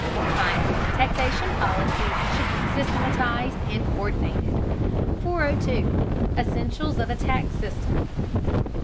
Finally, taxation policies should be systematized and co÷rdinated. 402. ESSENTIALS OF A TAX SYSTEM.